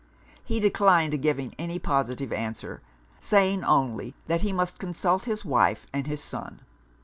He declined giving any positive answer; saying, only, that he must consult his wife and his son.